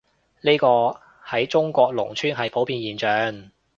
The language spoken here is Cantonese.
呢個，喺中國農村係普遍現象